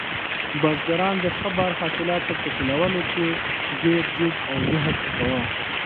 بزګران د ښه بار حاصلاتو په ټولولو کې ډېر جد او جهد کاوه.